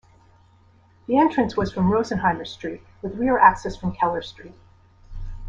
The entrance was from Rosenheimer Street, with rear access from Keller Street.